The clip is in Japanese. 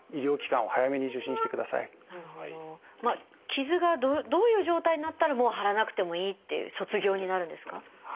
傷がどういう状態になったらもう貼らなくてもいいっていう卒業になるんですか？